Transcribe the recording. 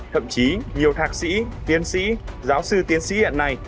thậm chí nhiều thạc sĩ tiến sĩ giáo sư tiến sĩ hiện nay